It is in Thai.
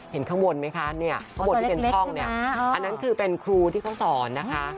เห็นข้างบนไหมคะเนี่ยข้างบนที่เป็นช่องเนี่ยอันนั้นคือเป็นครูที่เขาสอนนะคะ